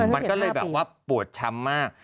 มันก็เลยแบบว่าปวดช้ำมาก